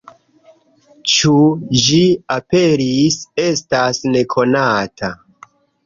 Ĉu ĝi aperis, estas nekonata.